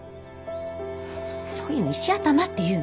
そういうの石頭って言うのよ。